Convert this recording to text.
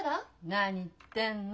何言ってんの。